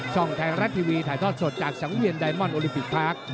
ไทยรัฐทีวีถ่ายทอดสดจากสังเวียนไดมอนโอลิมปิกพาร์ค